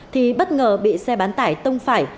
thì bất ngờ bị xe bán tải tông phải